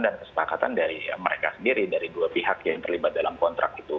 dan kesepakatan dari mereka sendiri dari dua pihak yang terlibat dalam kontrak itu